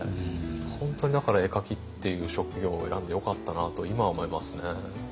本当にだから絵描きっていう職業を選んでよかったなと今は思いますね。